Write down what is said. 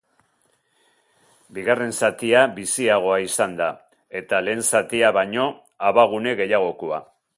Bigarren zatia biziagoa izan da, eta lehen zatia baino abagune gehiagokoa.